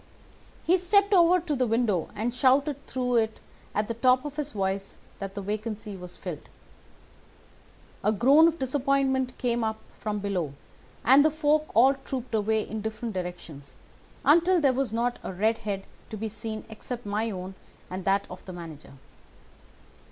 He stepped over to the window and shouted through it at the top of his voice that the vacancy was filled. A groan of disappointment came up from below, and the folk all trooped away in different directions until there was not a red head to be seen except my own and that of the manager.